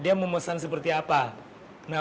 apa yang dia pesan